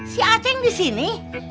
si aceng di sini